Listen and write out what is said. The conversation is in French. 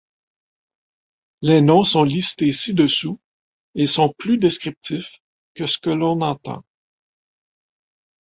Les noms sont listés ci-dessous et sont plus descriptifs que ce que l'on entend.